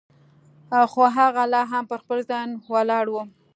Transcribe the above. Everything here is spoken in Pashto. خو هغه لا هم پر خپل ځای ولاړه وه.